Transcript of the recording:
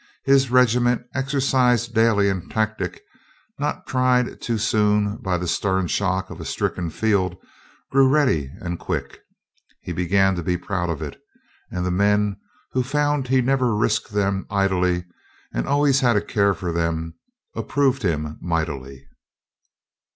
His regiment, exercised daily in tactic, not tried too soon by the stern shock of a stricken field, grew ready and quick. He began to be proud of it, and the men, who found he never risked them idly and always had a care for them, approved him mightily.